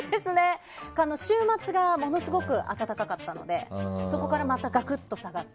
週末がものすごく暖かかったのでそこからまたガクッと下がって。